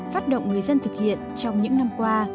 phát động người dân thực hiện trong những năm qua